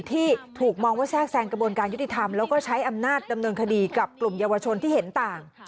ที่ถูกมองว่าแทรกแซงกระบวนการยุติธรรมแล้วก็ใช้อำนาจดำเนินคดีกับกลุ่มเยาวชนที่เห็นต่าง